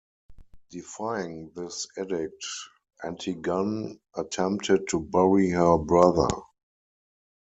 Defying this edict, Antigone attempted to bury her brother.